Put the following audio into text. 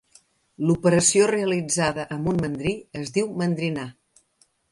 L'operació realitzada amb un mandrí, es diu mandrinar.